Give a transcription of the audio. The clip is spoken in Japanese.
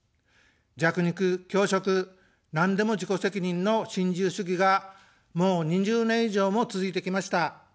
弱肉強食、なんでも自己責任の新自由主義がもう２０年以上も続いてきました。